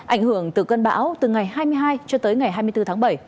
ảnh hưởng từ cơn bão từ ngày hai mươi hai cho tới ngày hai mươi bốn tháng bảy